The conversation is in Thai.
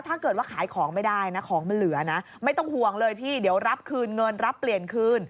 ถ้าเกิดว่าขายของไม่ได้นะของมันเหลือนะไม่ต้องห่วงเลยพี่เดี๋ยวรับคืนเงินรับเปลี่ยนคืน